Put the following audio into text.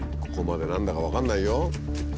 ここまで何だか分かんないよ。